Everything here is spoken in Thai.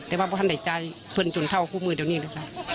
แต่ว่าท่านได้ใจเพื่อนจนเท่าคู่มือเดี๋ยวนี้เลยค่ะ